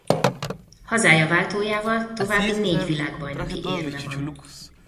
Hazája váltójával további négy világbajnoki érme van.